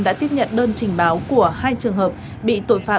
đã tiếp nhận đơn trình báo của hai trường hợp bị tội phạm